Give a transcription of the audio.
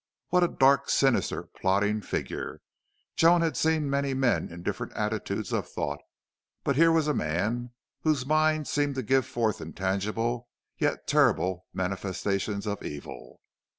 What a dark, sinister, plotting figure! Joan had seen many men in different attitudes of thought, but here was a man whose mind seemed to give forth intangible yet terrible manifestations of evil.